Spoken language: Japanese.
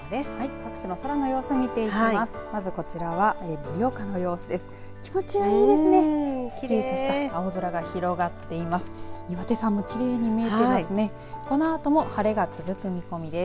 各地の空の様子を見ていきます。